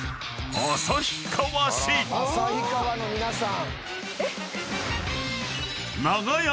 旭川の皆さん。